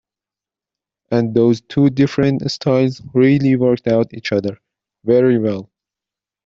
And those two different styles really worked out each other, very well.